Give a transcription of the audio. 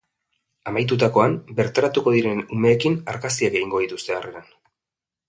Amaitutakoan, bertaratuko diren umeekin argazkiak egingo dituzte harreran.